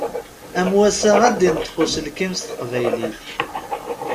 Am wassa ad d-inṭeq uselkim s teqbaylit.